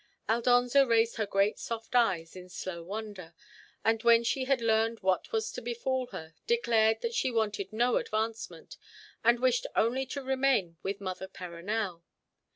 Aldonza raised her great soft eyes in slow wonder, and when she had heard what was to befall her, declared that she wanted no advancement, and wished only to remain with mother Perronel.